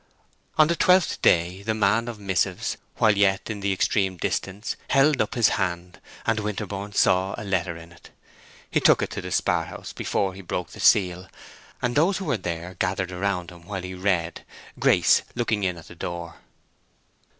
On the twelfth day the man of missives, while yet in the extreme distance, held up his hand, and Winterborne saw a letter in it. He took it into the spar house before he broke the seal, and those who were there gathered round him while he read, Grace looking in at the door.